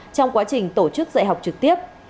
trong quá trình tổ chức dạy học trực tiếp